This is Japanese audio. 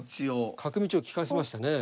角道を利かせましたね。